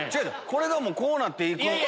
これがこうなっていく。